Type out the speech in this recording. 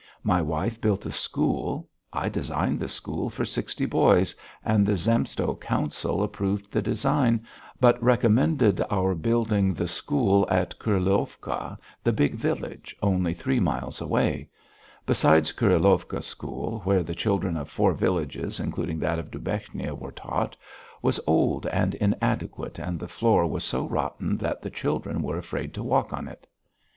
My wife built a school. I designed the school for sixty boys, and the Zemstvo Council approved the design, but recommended our building the school at Kurilovka, the big village, only three miles away; besides the Kurilovka school, where the children of four villages, including that of Dubechnia, were taught, was old and inadequate and the floor was so rotten that the children were afraid to walk on it.